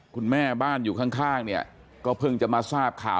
คุณแม่บ้านอยู่ข้างเนี่ยก็เพิ่งจะมาทราบข่าว